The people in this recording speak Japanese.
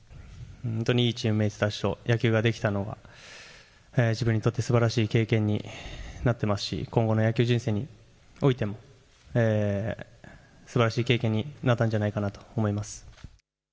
本当にいいチームメートたちと野球ができたのは自分にとってすばらしい経験になっていますし今後の野球人生においてもすばらしい経験になったんじゃないかなと思います。